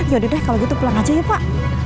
yaudah deh kalau gitu pulang aja ya pak